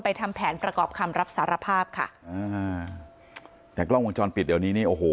ทำแผนประกอบคำรับสารภาพค่ะอ่าแต่กล้องวงจรปิดเดี๋ยวนี้นี่โอ้โห